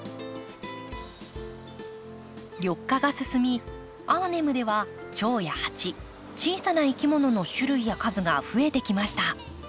緑化が進みアーネムではチョウやハチ小さないきものの種類や数が増えてきました。